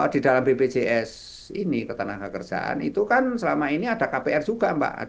di dalam bpjs ini ketenagakerjaan itu kan selama ini ada kpr juga mbak